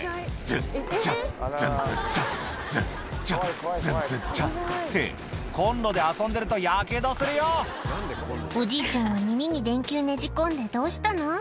「ズンチャズンズンチャ」ってコンロで遊んでるとやけどするよおじいちゃは耳に電球ねじ込んでどうしたの？